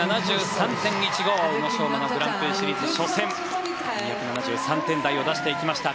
宇野昌磨のグランプリシリーズ初戦２７３点台を出していきました。